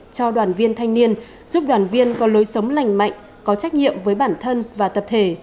cho đoàn viên thanh niên giúp đoàn viên có lối sống lành mạnh có trách nhiệm với bản thân và tập thể